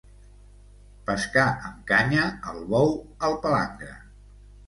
Pescar amb canya, al bou, al palangre.